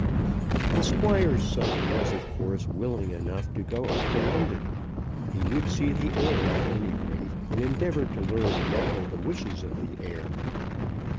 The Squire's son was of course willing enough to go up to London. He would see the heir at any rate, and endeavour to learn what were the wishes of the heir.